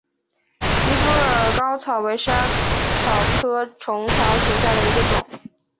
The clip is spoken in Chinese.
尼泊尔嵩草为莎草科嵩草属下的一个种。